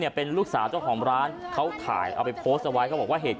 นี่ค่ะช่วยแมงคล้ายคล้องทุกวัน